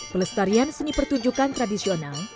pelestarian seni pertunjukan tradisional